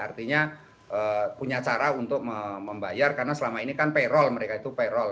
artinya punya cara untuk membayar karena selama ini kan payroll mereka itu payroll